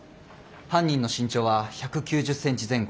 犯人の身長は１９０ｃｍ前後。